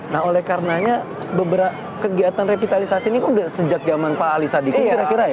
nah oleh karenanya beberapa kegiatan revitalisasi ini kok nggak sejak zaman pak alisa dikut kira kira ya